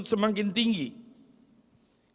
tersebut ada positifitas